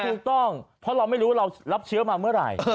ถูกต้องเพราะเราไม่รู้ว่าเรารับเชื้อมาเมื่อไหร่